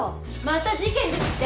また事件ですって？